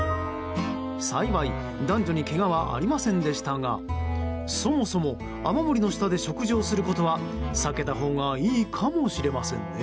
幸い、男女にけがはありませんでしたがそもそも雨漏りの下で食事をすることは避けたほうがいいかもしれませんね。